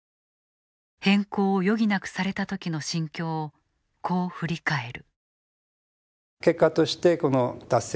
変更を余儀なくされた時の心境をこう振り返る。